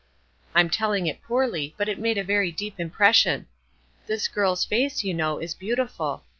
I'm telling it poorly; but it made a very deep impression. This girl's face, you know, is beautiful.